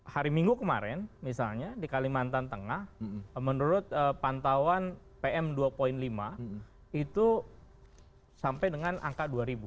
hari minggu kemarin misalnya di kalimantan tengah menurut pantauan pm dua lima itu sampai dengan angka dua